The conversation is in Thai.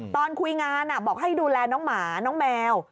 ตอนคุยงานบอกให้ดูแลน้องหมาน้องแมว